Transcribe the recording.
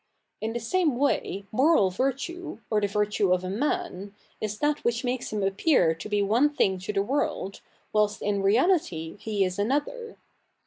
In the same way moral virtue, or the virtue of a man, is that ivhich makes him appear to be one thing to the world, 7vhilst in reality he is another.